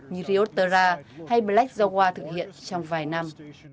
như rio terra hay black zawa thực hiện trong vài năm